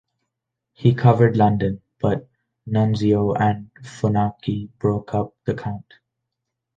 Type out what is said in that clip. He covered London but Nunzio and Funaki broke up the count.